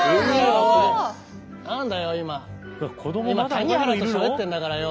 谷原としゃべってんだからよ。